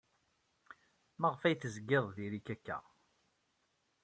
Maɣef ay tezgid diri-k akka?